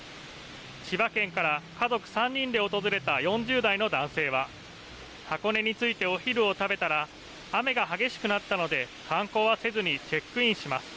千葉県から家族３人で訪れた４０代の男性は箱根に着いてお昼を食べたら雨が激しくなったので観光はせずにチェックインします。